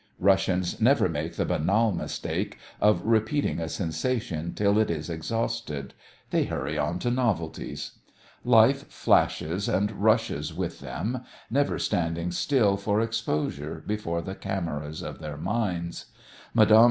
Russians never make the banal mistake of repeating a sensation till it is exhausted; they hurry on to novelties. Life flashes and rushes with them, never standing still for exposure before the cameras of their minds. Mme.